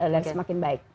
dan semakin baik